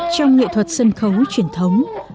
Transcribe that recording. trong nghệ thuật sân khấu truyền thống